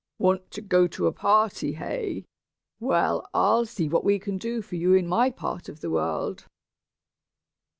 "Want to go to a party, hey? Well, I'll see what we can do for you in my part of the world."